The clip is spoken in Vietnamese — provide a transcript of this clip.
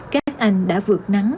các anh đã vượt nắng